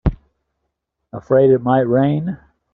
Afraid it might rain?